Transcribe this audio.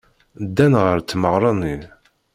Ddan ɣer tmeɣra-nni.